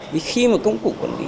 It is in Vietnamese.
vì khi mà công cụ quản lý